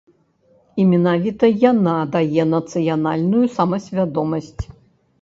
І менавіта яна дае нацыянальную самасвядомасць.